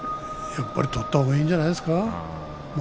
やっぱり取ったほうがいいんじゃないですか。